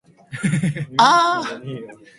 He himself was appointed chairman of this council.